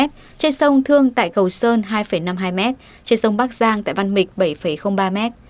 trên sông thương tại cầu sơn hai năm mươi hai m trên sông bắc giang tại văn mịch bảy ba m